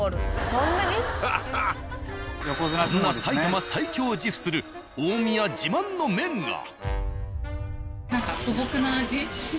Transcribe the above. そんな埼玉最強を自負する大宮自慢の麺が。